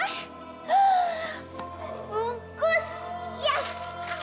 alhamdulillah waktunya sudah tepat